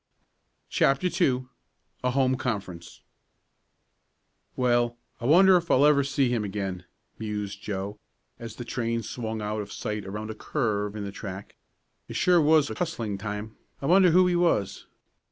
CHAPTER II A HOME CONFERENCE "Well, I wonder if I'll ever see him again," mused Joe, as the train swung out of sight around a curve in the track. "It sure was a hustling time. I wonder who he was?